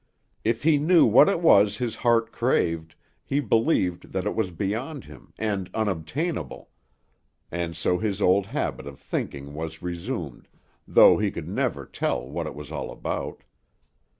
If he knew what it was his heart craved, he believed that it was beyond him, and unobtainable; and so his old habit of thinking was resumed, though he could never tell what it was all about.